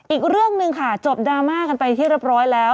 อีกเรื่องหนึ่งค่ะจบดราม่ากันไปที่เรียบร้อยแล้ว